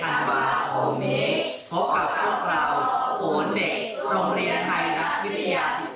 ๒๗ธันวาคมนี้พบกับพวกเราขนเด็กโรงเรียนไทยรัฐวิทยา๑๒บ้านเอกนะครับ